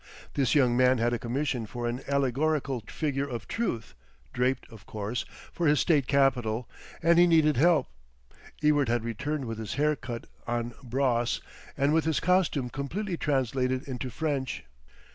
This young man had a commission for an allegorical figure of Truth (draped, of course) for his State Capitol, and he needed help. Ewart had returned with his hair cut en brosse and with his costume completely translated into French.